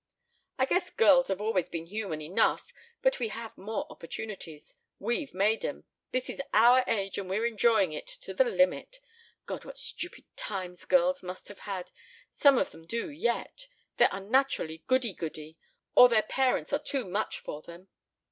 "I guess girls have always been human enough, but we have more opportunities. We've made 'em. This is our age and we're enjoying it to the limit. God! what stupid times girls must have had some of them do yet. They're naturally goody goody, or their parents are too much for them.